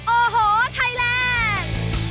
โอ้โหไทยแลนด์